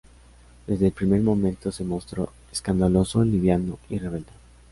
Desde el primer momento se mostró escandaloso, liviano y rebelde.